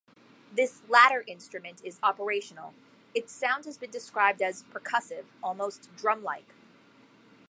This latter instrument is operational; its sound has been described as "percussive, almost drum-like".